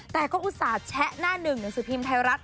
แต่ก็อุตส่าห์แชะหน้าหนึ่งหนังสือพิมพ์ไทยรัฐ